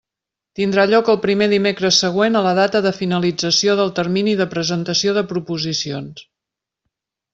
Tindrà lloc el primer dimecres següent a la data de finalització del termini de presentació de proposicions.